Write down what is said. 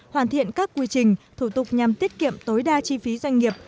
hoàn thiện các quy trình thủ tục nhằm tiết kiệm tối đa chi phí doanh nghiệp